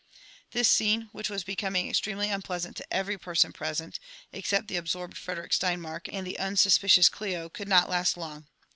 This scene, which was becoming extremely unpleasant to every person present, excepting the absorbed Frederick Steinmark and the unsuspicious Clio, could not last long.